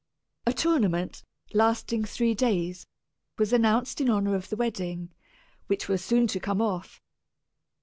A tournament, lasting three days, was announced in honor of the wedding, which was soon to come off.